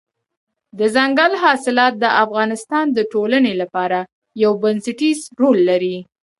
دځنګل حاصلات د افغانستان د ټولنې لپاره یو بنسټيز رول لري.